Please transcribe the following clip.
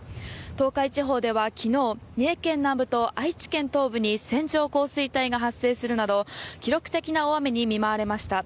東海地方では昨日三重県南部と愛知県東部に線状降水帯が発生するなど記録的な大雨に見舞われました。